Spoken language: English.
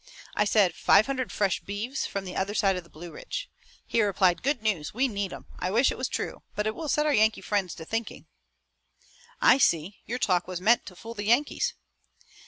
I said: 'Five hundred fresh beeves from the other side of the Blue Ridge.' He replied: 'Great news, we need 'em!' I wish it was true, but it will set our Yankee friends to thinking." "I see. Your talk was meant to fool the Yankees."